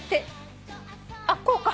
あっこうか。